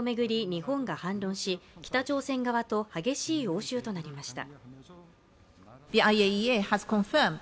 日本が反論し北朝鮮側と激しい応酬となりました。